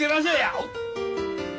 おっ。